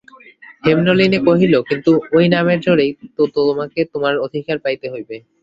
হেমনলিনী কহিল, কিন্তু ঐ নামের জোরেই তো তোমাকে তোমার অধিকার পাইতে হইবে।